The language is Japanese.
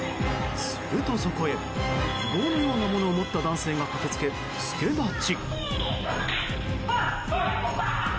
すると、そこへ棒のようなものを持った男性が駆けつけ、助太刀。